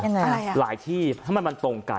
อะไรอ่ะหลายที่ทำไมมันตรงกัน